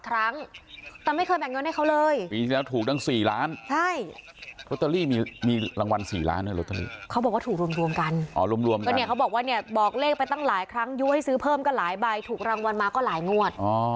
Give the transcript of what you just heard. อ๋อรวมกันเพราะเนี่ยเขาบอกว่าเนี่ยบอกเลขไปตั้งหลายครั้งยุคให้ซื้อเพิ่มก็หลายใบถูกรัววันมาก็หลายงวด